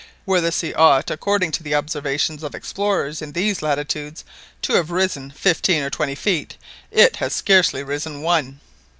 "Where the sea ought according to the observations of explorers in these latitudes, to have risen fifteen or twenty feet, it has scarcely risen one